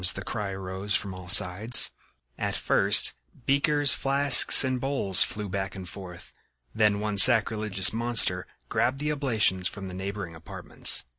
the cry arose from all sides. At first beakers, flasks and bowls flew back and forth. Then one sacrilegious monster grabbed the oblations from the neighboring apartments.